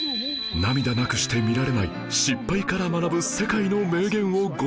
涙なくして見られない失敗から学ぶ世界の名言をご紹介